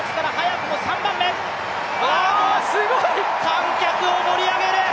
観客を盛り上げる！